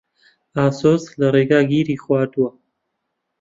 ئاسۆس لە ڕێگا گیری خواردووە.